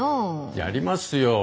やりますよ！